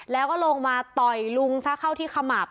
แล้วก็ลงมาต่อยลุงซะเข้าที่ขมับ